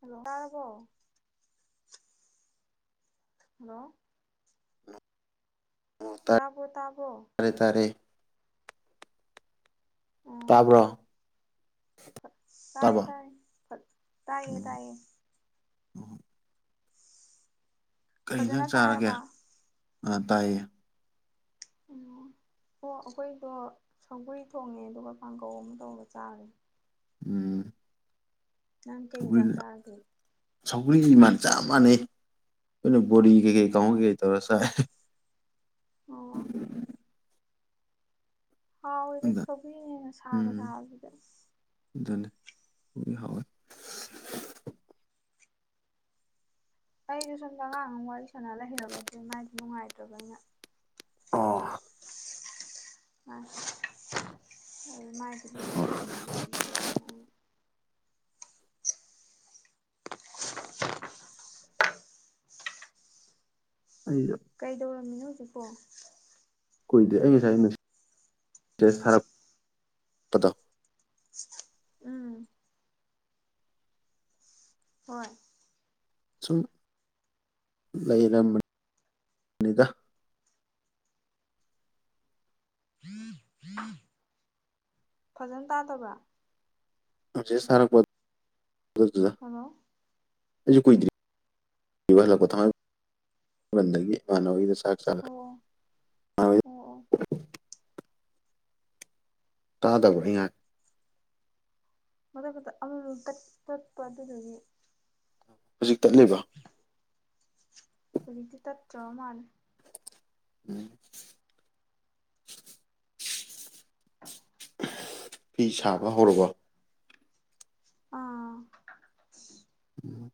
hello ꯇꯥꯔꯕꯣ hello ꯑꯣ ꯇꯥꯕ꯭ꯔꯣ ꯇꯥꯕꯣ ꯇꯥꯔꯦ ꯇꯥꯔꯦ ꯎꯝ ꯇꯥꯕ꯭ꯔꯣ ꯐꯠ ꯇꯥꯔꯦ ꯇꯥꯕꯣ ꯇꯥꯥꯏꯌꯦ ꯐꯠ ꯇꯥꯏꯌꯦ ꯎꯝ ꯇꯥꯏꯌꯦ ꯎꯝ [unintelligible] ꯀꯔꯤ ꯍꯤꯟꯖꯥꯡ ꯐꯖꯅ ꯆꯥꯔꯒꯦ ꯇꯥꯔꯕ ꯑ ꯇꯥꯏꯌꯦ ꯑꯣ ꯍꯣ ꯑꯩꯈꯣꯏꯗꯣ ꯁꯧꯒ꯭ꯔꯤ ꯊꯣꯡꯉꯦ ꯑꯗꯨꯒ ꯀꯥꯡꯒꯧ ꯑꯝ ꯇꯧꯔ ꯆꯥꯔꯦ ꯎꯝ ꯅꯪ ꯀꯩ ꯁꯧꯒ꯭ꯔꯤ ꯍꯤꯟꯖꯥꯡ ꯆꯥꯔꯒꯦ ꯁꯧꯒ꯭ꯔꯤ ꯏꯃꯥꯟ ꯆꯞ ꯃꯥꯟꯅꯩ ꯑꯩꯈꯣꯏꯅ ꯕꯣꯔꯤ ꯀꯩ ꯀꯩ ꯀꯥꯡꯉꯧ ꯀꯩꯀꯩ ꯇꯧꯔ ꯆꯥꯏ ꯑꯣ ꯍꯥꯎꯋꯤꯗ ꯑꯗ ꯁꯧꯒ꯭ꯔꯤꯅ ꯍꯦꯟꯅ ꯁꯥꯒ ꯎꯝ ꯁꯥꯕꯖꯤꯗ ꯑꯗꯨꯅꯤ [unintelligible] ꯍꯥꯎꯋꯤ ꯑꯩꯗꯨ ꯁꯣꯝꯗ ꯑꯉꯥꯡ ꯑꯝ ꯋꯥꯔꯤ ꯁꯥꯟꯅ ꯂꯩꯔꯕ ꯑꯗꯨ ꯃꯥꯏꯗꯤ ꯅꯨꯡꯉꯥꯏꯇ꯭ꯔꯕ ꯑꯩꯅ ꯑꯣ [unintelligible] ꯃꯥꯥꯏꯁꯤ ꯂꯣꯏꯁꯟꯕꯤꯒꯦꯅ ꯑꯩꯅ [unintelligible] ꯀꯩꯗꯧꯔꯝꯃꯤꯅꯣ ꯍꯧꯖꯤꯛꯄꯣ ꯀꯨꯏꯗꯦ ꯑꯩ ꯉꯁꯥꯏ ꯃꯦꯁꯦꯁ ꯊꯥꯔꯛꯄꯗꯣ ꯎꯝ ꯍꯣꯏ ꯁꯨꯝ ꯂꯩꯔꯝꯕꯅꯤꯗ [unintelligible] ꯐꯖꯅ ꯇꯥꯗꯕ꯭ꯔꯥ ꯃꯦꯁꯦꯁ ꯊꯥꯔꯛꯄꯠ ꯑꯗꯨꯗꯨꯗ ꯍꯜꯂꯣ ꯑꯩꯖꯨ ꯀꯨꯏꯗ꯭ꯔꯤ ꯕ ꯍꯜꯂꯛꯄ ꯊꯥꯡꯃꯩ ꯕꯟꯗꯒꯤ ꯏꯃꯥꯟꯅꯕꯩꯗ ꯆꯥꯛ ꯆꯥꯔꯛꯑꯦ ꯑꯣ [unintelligible] ꯑꯣ ꯑꯣ ꯇꯥꯗꯕ꯭ꯔꯥ ꯑꯩ ꯉꯥꯡ ꯃꯔꯛꯇꯨꯗ ꯑꯃꯨꯃꯨꯛ ꯇꯠ ꯇꯠꯄ ꯑꯗꯨꯗꯨꯒꯤ ꯍꯨꯖꯤꯛ ꯇꯠꯂꯤꯕꯣ ꯍꯨꯖꯤꯛꯇꯤ ꯇꯠꯇ꯭ꯔꯕ ꯃꯥꯜꯂꯦ ꯎꯝ [unintelligible] ꯐꯤ ꯁꯥꯕ ꯍꯧꯔꯕꯣ ꯑꯥ ꯎꯝ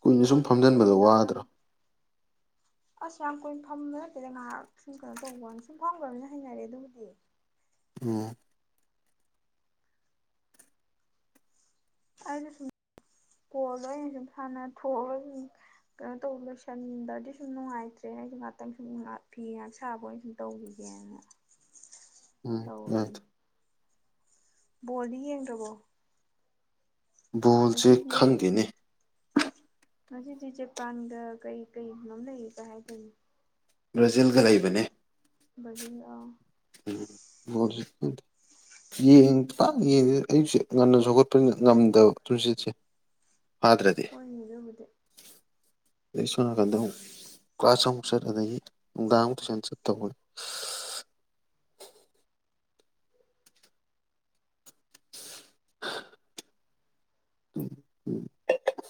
ꯀꯨꯏꯅ ꯍꯣꯏ ꯁꯨꯝ ꯍꯣꯏ ꯍꯣꯏ ꯑꯩ ꯐꯝꯖꯟꯕꯗꯣ ꯉꯥꯛꯇꯪ ꯋꯥꯗ꯭ꯔꯣ ꯑꯁ ꯌꯥꯝ ꯀꯨꯏꯅ ꯐꯝꯕ ꯅꯠꯇꯦꯗ ꯉꯥꯏꯍꯥꯛ ꯁꯨꯝ ꯀꯩꯅꯣ ꯇꯧꯕꯋꯥꯅꯤ ꯁꯨꯝ ꯐꯝꯈ꯭ꯔꯕꯅꯤꯅ ꯍꯩꯅꯔꯦ ꯑꯗꯨꯕꯨꯗꯤ ꯑꯣ ꯑꯩꯅ ꯁꯨꯝ ꯀꯣꯗꯣ ꯑꯩꯅ ꯁꯨꯝ ꯁꯥꯟꯅ ꯊꯣꯛꯑꯒ ꯁꯨꯝ ꯀꯩꯅꯣ ꯇꯧꯕ ꯂꯣꯏꯁꯟꯗ꯭ꯔꯗꯤ ꯁꯨꯝ ꯅꯨꯡꯉꯥꯏꯇ꯭ꯔꯦ ꯑꯩꯁꯨ ꯉꯍꯥꯛꯇꯪ ꯁꯨꯝ ꯐꯤ ꯉꯥꯏꯍꯛ ꯁꯥꯕ ꯑꯣꯏꯅ ꯁꯨꯝ ꯇꯧꯈꯤꯒꯦꯅ ꯎꯝ ꯍ ꯇꯧꯔꯤ [unintelligible] ꯕꯣꯜꯗꯤ ꯌꯦꯡꯗ꯭ꯔꯕꯣ ꯕꯣꯜꯁꯦ ꯉꯁꯤꯗꯤ ꯈꯪꯗꯦꯅꯤ ꯉꯁꯤꯗꯤ ꯖꯄꯥꯟꯒ ꯀꯩ ꯀꯩꯒꯅꯣꯝ ꯂꯩꯔꯤꯒ ꯍꯥꯏꯗꯥꯏꯅꯦ ꯕ꯭ꯔꯥꯖꯤꯜꯒ ꯂꯩꯕꯅꯦ ꯕ꯭ꯔꯥꯖꯤꯜꯑꯣ ꯎꯁꯤ ꯀ [unintelligible] ꯌꯦꯡ ꯄꯥꯛ ꯌꯦꯡꯗꯦ ꯑꯌꯨꯛꯁꯦ ꯉꯟꯅꯁꯨ ꯍꯧꯒꯠꯄꯅꯤꯅ ꯉꯝꯗꯕ ꯇꯨꯝꯁꯤꯠꯁꯦ ꯐꯥꯗ꯭ꯔꯗꯤ ꯍꯣꯏꯅꯦ ꯑꯗꯨꯕꯨꯗꯤ ꯑꯦ ꯁꯣꯝ ꯅꯀꯥꯟꯗ ꯍꯩꯉꯣ ꯀꯥꯁ ꯑꯃꯨꯛ ꯆꯠ ꯑꯗꯥꯒꯤ ꯅꯨꯡꯗꯥꯡ ꯑꯃꯨꯛ ꯇꯨꯏꯁꯟ ꯆꯠ ꯇꯧꯕꯒꯤ [inaudible] ꯎ [unintelligible]